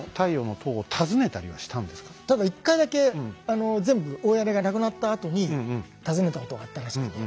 ただ１回だけあの全部大屋根がなくなったあとに訪ねたことがあったらしくて。